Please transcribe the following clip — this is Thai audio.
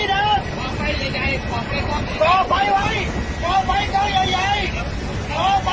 อย่าอย่าอย่าอย่าอย่าอย่าอย่าอย่าอย่าอย่าอย่าอย่าอย่าอย่าอย่า